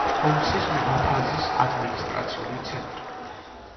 ჰომსის მუჰაფაზის ადმინისტრაციული ცენტრი.